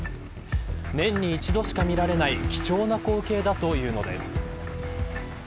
年に一度しか見られない貴重な光景だというのです。